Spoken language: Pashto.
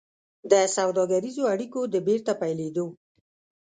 د سوداګريزو اړيکو د بېرته پيلېدو